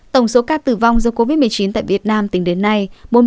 tổng số ca tử vong do covid một mươi chín tại việt nam tính đến nay